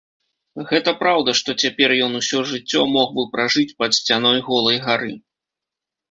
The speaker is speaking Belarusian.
Гэта праўда, што цяпер ён усё жыццё мог бы пражыць пад сцяной голай гары.